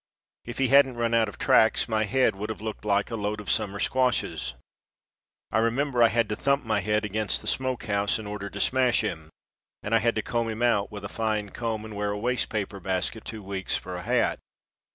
If he hadn't run out of tracks my head would have looked like a load of summer squashes. I remember I had to thump my head against the smoke house in order to smash him, and I had to comb him out with a fine comb and wear a waste paper basket two weeks for a hat.